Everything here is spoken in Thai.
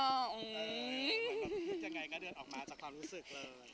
มันก็พูดยังไงก็เดินออกมาจากความรู้สึกเลย